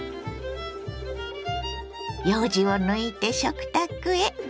ようじを抜いて食卓へ。